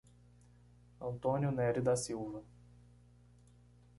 Antônio Nery da Silva